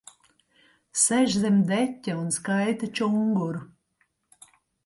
Sēž zem deķa un skaita čunguru.